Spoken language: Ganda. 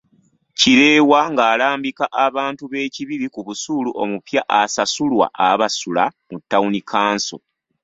Kireewa ng'alambika abantu b'e Kibibi ku busuulu omupya asasulwa abasula mu Town Council.